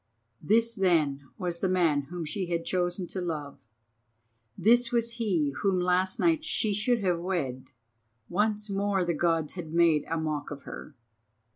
This then was the man whom she had chosen to love, this was he whom last night she should have wed. Once more the Gods had made a mock of her.